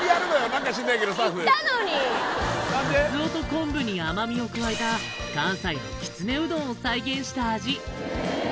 何か行ったのにかつおと昆布に甘みを加えた関西のきつねうどんを再現した味